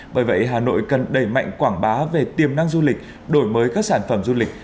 bởi vậy hà nội cần đẩy mạnh quảng bá về tiềm năng du lịch đổi mới các sản phẩm du lịch